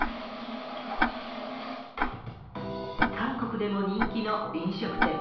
韓国でも人気の飲食店。